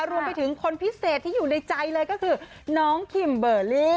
รวมไปถึงคนพิเศษที่อยู่ในใจเลยก็คือน้องคิมเบอร์รี่